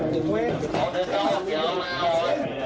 และคลุมโจมตัว